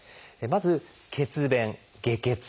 まず「血便・下血」。